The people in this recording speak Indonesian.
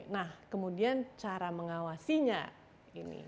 nah kemudian cara mengawasinya ini